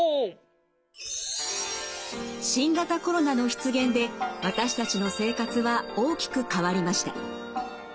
新型コロナの出現で私たちの生活は大きく変わりました。